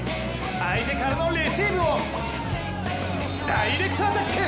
相手からのレシーブをダイレクトアタック！